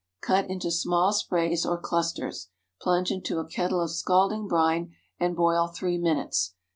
Cut into small sprays or clusters. Plunge into a kettle of scalding brine and boil three minutes.